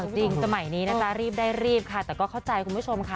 จริงสมัยนี้นะจ๊ะรีบได้รีบค่ะแต่ก็เข้าใจคุณผู้ชมค่ะ